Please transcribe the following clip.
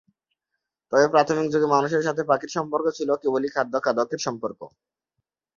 তবে প্রাথমিক যুগে মানুষের সাথে পাখির সম্পর্ক ছিল কেবলই খাদ্য-খাদকের সম্পর্ক।